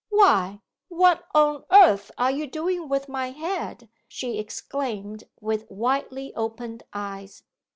'Why, what on earth are you doing with my head?' she exclaimed, with widely opened eyes.